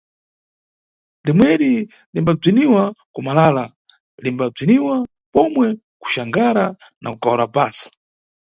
Limweri limbabziniwa kuMalala, limbabziniwa pomwe kuXangara na KukaworaBasa.